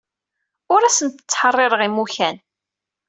Ur asent-ttḥeṛṛiṛeɣ imukan.